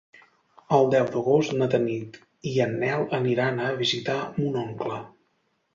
El deu d'agost na Tanit i en Nel aniran a visitar mon oncle.